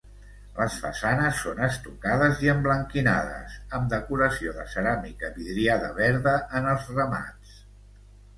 Les façanes són estucades i emblanquinades, amb decoració de ceràmica vidriada verda en els remats.